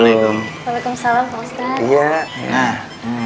walaikum salam pak ustadz